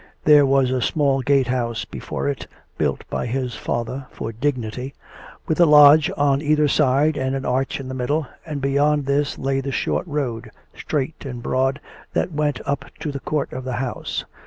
There was a small gate house before it, built by his father for dignity, with a lodge on either side and an arch in the middle, and beyond this lay the short road, straight and broad, that went up to the court of the house.